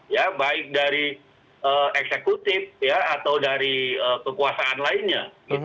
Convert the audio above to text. ya baik dari eksekutif ya atau dari kekuasaan lainnya